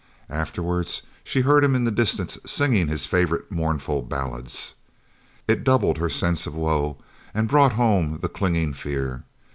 Afterwards she heard him in the distance singing his favourite mournful ballads. It doubled her sense of woe and brought home the clinging fear.